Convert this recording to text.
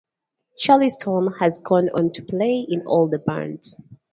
Charley Stone has gone on to play in all the bands.